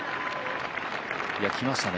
いや、きましたね。